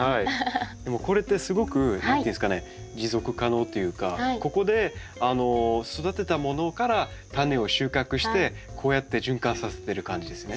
でもこれってすごく何ていうんですかね持続可能というかここで育てたものからタネを収穫してこうやって循環させてる感じですね。